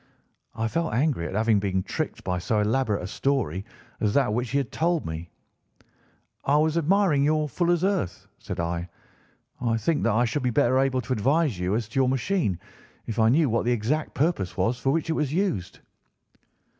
"I felt angry at having been tricked by so elaborate a story as that which he had told me. 'I was admiring your fuller's earth,' said I; 'I think that I should be better able to advise you as to your machine if I knew what the exact purpose was for which it was used.